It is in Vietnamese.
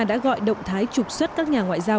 đã gọi động thái trục xuất các nhà ngoại giao